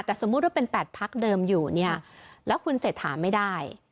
แต่สมมุติว่าเป็น๘พักเดิมอยู่เนี่ยแล้วคุณเศรษฐาไม่ได้